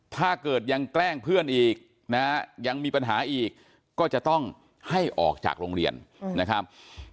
ถ้าเกิดยังแกล้งเพื่อนอีกนะยังมีปัญหาอีกก็จะต้องให้ออกจากโรงเรียนนะครับ